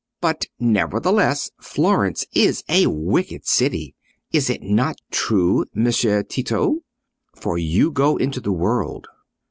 But, nevertheless, Florence is a wicked city—is it not true, Messer Tito? for you go into the world.